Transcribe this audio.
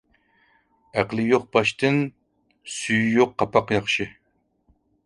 ئەقلى يوق باشتىن سۈيى يوق قاپاق ياخشى.